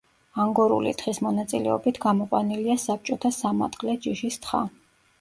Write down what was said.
ანგორული თხის მონაწილეობით გამოყვანილია საბჭოთა სამატყლე ჯიშის თხა.